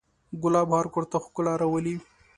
ګلاب هر کور ته ښکلا راولي.